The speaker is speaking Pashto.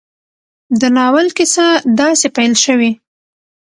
د ناول کيسه داسې پيل شوې